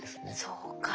そうか。